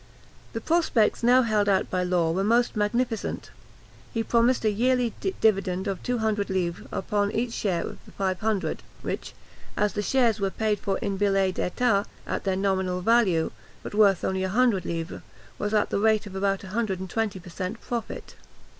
The prospects now held out by Law were most magnificent. He promised a yearly dividend of two hundred livres upon each share of five hundred, which, as the shares were paid for in billets d'état at their nominal value, but worth only 100 livres, was at the rate of about 120 per cent profit. [Illustration: LAW'S HOUSE; RUE DE QUINCAMPOIX.